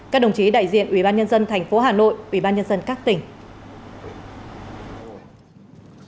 các đồng chí đại diện ubnd tp hà nội ubnd các tỉnh